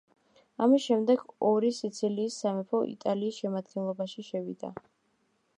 ამის შემდეგ, ორი სიცილიის სამეფო იტალიის შემადგენლობაში შევიდა.